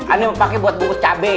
ani pake buat bungkus cabai